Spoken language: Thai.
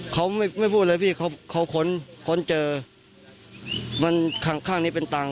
เขาไม่ไม่พูดเลยพี่เขาเขาค้นค้นเจอมันข้างข้างนี้เป็นตังค์